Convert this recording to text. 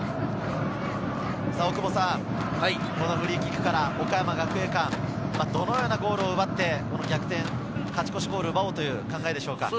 フリーキックから岡山学芸館、どのようなゴールを奪って、逆転勝ち越しゴールを奪おうという考えでしょうか？